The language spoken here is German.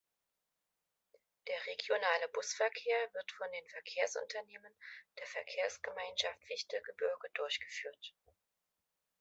Der regionale Busverkehr wird von den Verkehrsunternehmen der Verkehrsgemeinschaft Fichtelgebirge durchgeführt.